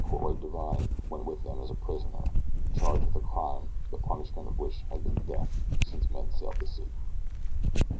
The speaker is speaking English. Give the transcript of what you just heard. Cortwrite Divine went with them as a prisoner, charged with a crime the punishment for which has been death since men sailed the seas.